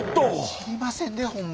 知りませんでホンマに。